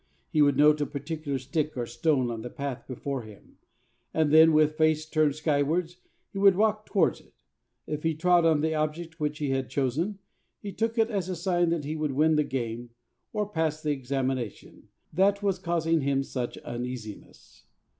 He would note a particular stick or stone on the path before him; and then, with face turned skywards, he would walk towards it. If he trod on the object which he had chosen, he took it as a sign that he would win the game or pass the examination that was causing him such uneasiness.